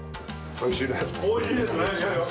おいしいですね。